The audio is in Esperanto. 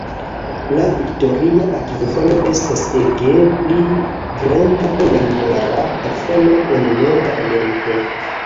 La Viktoria-akvofalo estas ege pli granda ol la Niagara Akvofalo en Norda Ameriko.